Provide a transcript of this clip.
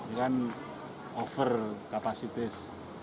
ini kan over kapasitas